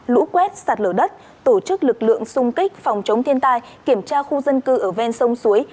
lũ quét sạt lở đất tổ chức lực lượng xung kích phòng chống thiên tai kiểm tra khu dân cư ở ven sông suối